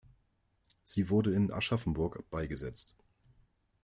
Sie wurde in Aschaffenburg beigesetzt.